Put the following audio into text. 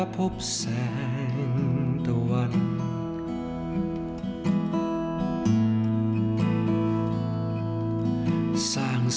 ผ่านกาลเวลาบีดานำพาสายตาพบแสงตะวัน